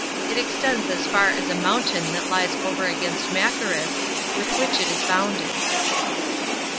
It extends as far as a mountain that lies over against Machaerus, with which it is bounded.